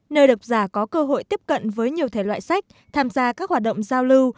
nơi độc giả có cơ hội tiếp cận với nhiều thể loại sách tham gia các hoạt động giao lưu